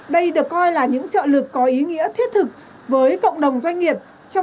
đây được coi là những nguyên liệu